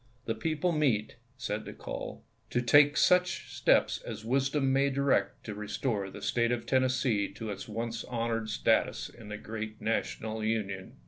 The people meet," said the call, " to take such steps as wisdom may direct to restore the State of Tennessee to its once honored status in the gi eat National Union.